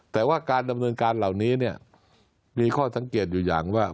แต่ว่าการดำเนินการเหล่านี้เนี่ยมีข้อสังเกตอยู่อย่างว่า